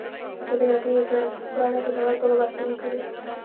ازادي راډیو د ترانسپورټ په اړه په ژوره توګه بحثونه کړي.